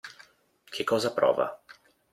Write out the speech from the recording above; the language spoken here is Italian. Che cosa prova?